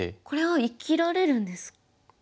これは生きられるんですか？